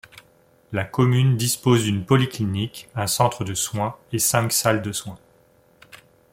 La commune dispose d'une polyclinique, un centre de soins et cinq salles de soins.